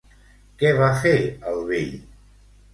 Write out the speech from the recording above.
Què va fer el vell?